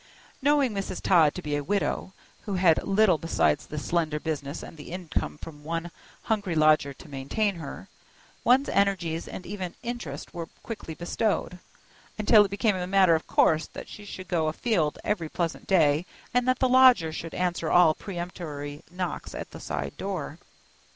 Knowing Mrs. Todd to be a widow, who had little beside this slender business and the income from one hungry lodger to maintain her, one's energies and even interest were quickly bestowed, until it became a matter of course that she should go afield every pleasant day, and that the lodger should answer all peremptory knocks at the side door.